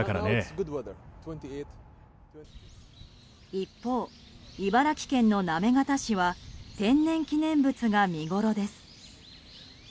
一方、茨城県の行方市は天然記念物が見ごろです。